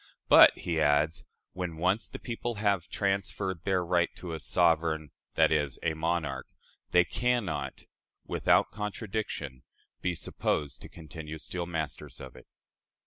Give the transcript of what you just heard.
"But," he adds, "when once the people have transferred their right to a sovereign [i.e., a monarch], they can not, without contradiction, be supposed to continue still masters of it."